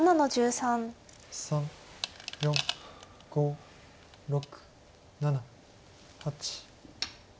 ３４５６７８。